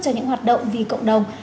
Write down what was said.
cho những hoạt động vì cộng đồng